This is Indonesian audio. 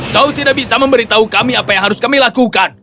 kau tidak bisa memberitahu kami apa yang harus kami lakukan